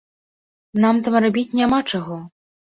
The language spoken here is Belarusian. Нам там рабіць няма чаго.